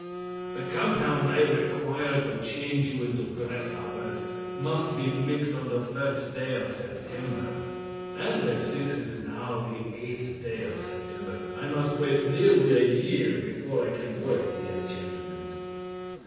The compound I require to change you into grasshoppers must be mixed on the first day of September; and as this is now the eighth day of September I must wait nearly a year before I can work the enchantment."